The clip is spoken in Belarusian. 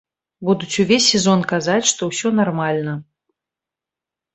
Будуць увесь сезон казаць, што ўсё нармальна.